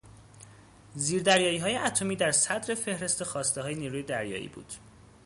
زیردریاییهای اتمیدر صدر فهرست خواستههای نیروی دریایی بود.